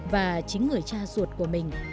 và chính người cha ruột của mình